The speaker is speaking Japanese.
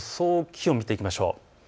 気温を見ていきましょう。